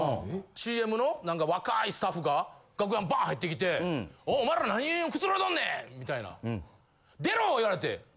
ＣＭの何か若いスタッフが楽屋バーン入ってきて「おいお前ら何くつろいどんねん！？」みたいな。「出ろ！」言われて。